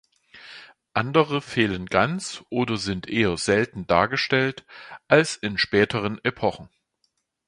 Andere fehlen ganz oder sind eher selten dargestellt als in späteren Epochen.